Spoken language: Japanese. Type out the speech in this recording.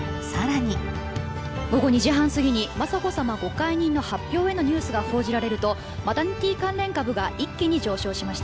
午後２時半すぎに雅子さまご懐妊の発表へのニュースが報じられるとマタニティー関連株が一気に上昇しました。